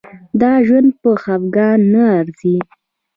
دا ژوند په خفګان نه ارزي.